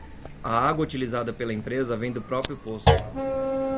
A água utilizada pela empresa vem do próprio poço.